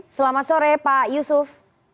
selamat sore pak yusuf